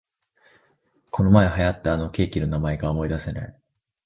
このまえ流行ったあのケーキの名前が思いだせない